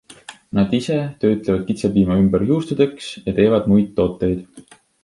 Nad ise töötlevad kitsepiima ümber juustudeks ja teevad muid tooteid.